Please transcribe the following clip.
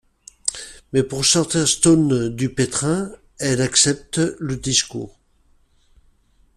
Mais pour sortir Stone du pétrin, elle accepte le discours.